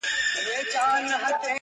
ژوند مي د هوا په لاس کي وليدی,